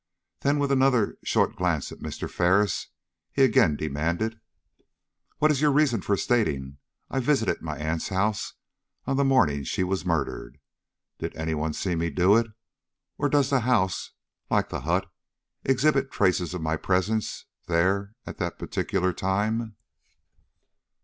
Then with another short glance at Mr. Ferris, he again demanded: "What is your reason for stating I visited my aunt's house on the morning she was murdered? Did any one see me do it? or does the house, like the hut, exhibit traces of my presence there at that particular time?"